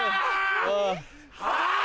はい！